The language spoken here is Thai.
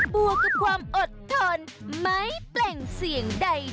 บวกกับความอดทนไม่แปลงเสียงใด